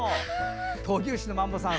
闘牛士のマンボさん